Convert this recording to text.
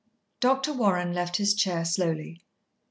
Dr. Warren left his chair slowly.